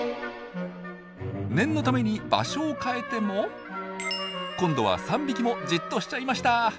念のために場所を変えても今度は３匹もじっとしちゃいました！